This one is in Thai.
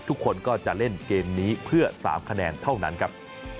ทุกคนก็จะเล่นเกมนี้เพื่อ๓คะแนนเท่านั้นครับ